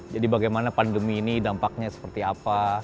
jadi bagaimana pandemi ini dampaknya seperti apa